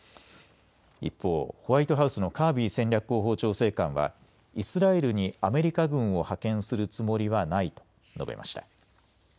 一方、ホワイトハウスのカービー戦略広報調整官はイスラエルにアメリカ軍を派遣するつもりはないと述べました。